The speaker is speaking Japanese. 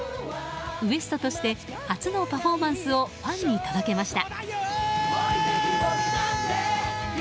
ＷＥＳＴ．として初のパフォーマンスをファンに届けました。